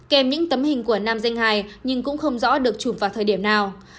kèm những tấm hình của nam danh hài nhưng cũng không rõ được chụp vào thời điểm nào